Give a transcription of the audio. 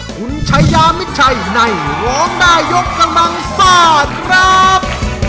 คุณชายามิดชัยในร้องได้ยกกำลังซ่าครับ